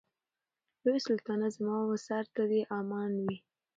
لوی سلطانه زما و سر ته دي امان وي